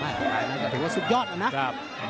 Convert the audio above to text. ไม่ไม่ต้องถือว่าสุดยอดนะ